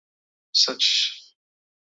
Hautatutako bere lanen artean, ondorengoak daude.